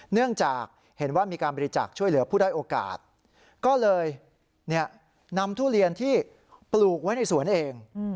เนื่องจากเห็นว่ามีการบริจาคช่วยเหลือผู้ได้โอกาสก็เลยนำทุเรียนที่ปลูกไว้ในสวนเอง